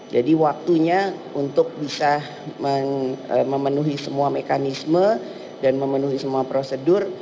jadi waktunya untuk bisa memenuhi semua mekanisme dan memenuhi semua prosedur